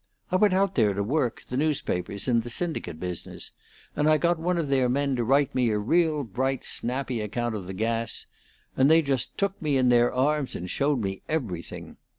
I went out there to work the newspapers in the syndicate business, and I got one of their men to write me a real bright, snappy account of the gas; and they just took me in their arms and showed me everything.